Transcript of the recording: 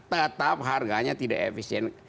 tetap harganya tidak efisien